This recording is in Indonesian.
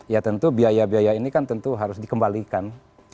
ya tentu biaya biaya ini kan tentu harus dikembalikan